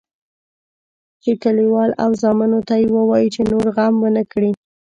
چې کلیوال او زامنو ته یې ووایي چې نور غم ونه کړي.